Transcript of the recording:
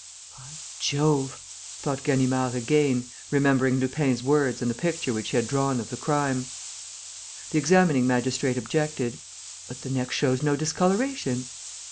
"By Jove!" thought Ganimard again, remembering Lupin's words and the picture which he had drawn of the crime. The examining magistrate objected: "But the neck shows no discoloration."